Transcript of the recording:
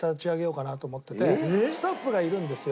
スタッフがいるんですよ。